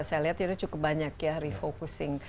saya lihat ini cukup banyak ya refocusing